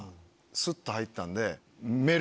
スっと入ったんで。